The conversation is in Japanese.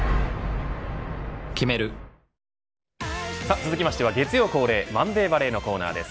続きましては月曜恒例マンデーバレーのコーナーです。